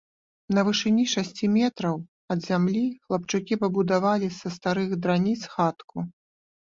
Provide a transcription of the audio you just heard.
На вышыні шасці метраў ад зямлі хлапчукі пабудавалі з старых драніц хатку.